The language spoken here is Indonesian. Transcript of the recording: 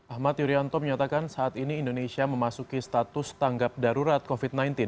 ahmad yuryanto menyatakan saat ini indonesia memasuki status tanggap darurat covid sembilan belas